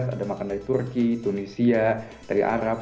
ada makanan dari turki tunisia dari arab